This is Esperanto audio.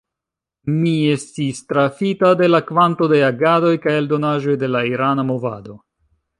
Mi estis trafita de la kvanto de agadoj kaj eldonaĵoj de la irana movado.